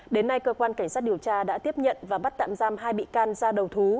đến nay cơ quan cảnh sát điều tra đã tiếp nhận và bắt tạm giam hai bị can ra đầu thú